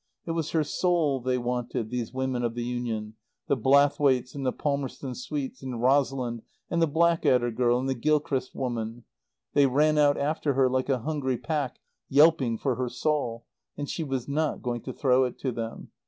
It was her soul they wanted, these women of the Union, the Blathwaites and the Palmerston Swetes, and Rosalind, and the Blackadder girl and the Gilchrist woman; they ran out after her like a hungry pack yelping for her soul; and she was not going to throw it to them.